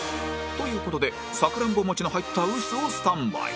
という事でさくらんぼ餅の入った臼をスタンバイ